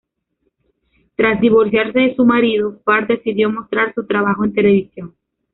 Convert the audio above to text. Tras divorciarse de su marido, Farr decidió mostrar su trabajo en televisión.